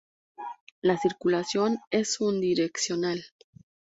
La circulación es unidireccional.